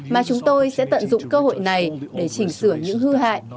mà chúng tôi sẽ tận dụng cơ hội này để chỉnh sửa những hư hại